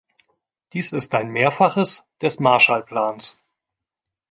Dies ist ein mehrfaches des Marshallplans.